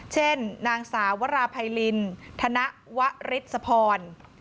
เช่นนางสาววราภัยลินธนวฤษพร